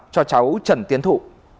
cho cháu trần tiến thụ